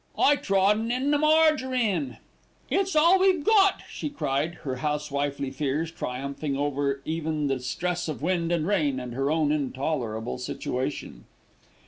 "I trodden on the marjarine." "It's all we've got," she cried, her housewifely fears triumphing over even the stress of wind and rain and her own intolerable situation.